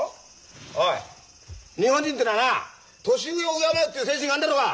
おい日本人ってのはな年上を敬うっていう精神があんだろうが！